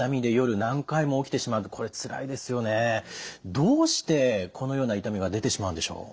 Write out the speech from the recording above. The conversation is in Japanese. どうしてこのような痛みが出てしまうんでしょう？